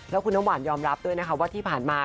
แล้วคุณน้ำหวานยอมรับด้วยนะคะว่าที่ผ่านมา